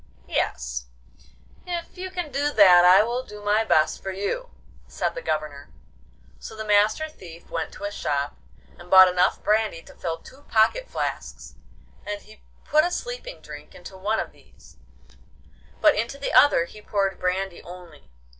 'Yes; if you can do that I will do my best for you,' said the Governor. So the Master Thief went to a shop, and bought enough brandy to fill two pocket flasks, and he put a sleeping drink into one of these, but into the other he poured brandy only.